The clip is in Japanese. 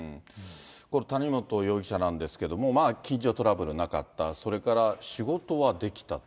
この谷本容疑者なんですけれども、近所トラブルはなかった、それから仕事はできたと。